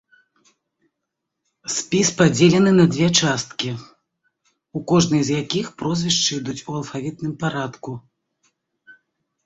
Спіс падзелены на две часткі, у кожнай з якіх прозвішчы ідуць у алфавітным парадку.